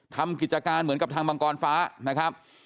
ทำกิจการเหมือนกับทางมังกรฟ้านะครับ